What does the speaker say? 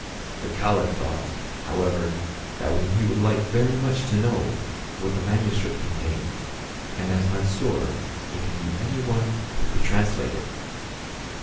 The caliph thought, however, that he would like very much to know what the manuscript contained, and asked Mansor if he knew any one who could translate it.